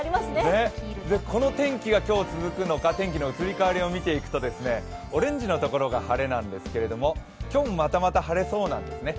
この天気が今日続くのか天気の移り変わりを見ていくとオレンジのところが晴れなんですけれども、今日、またまた晴れそうなんですね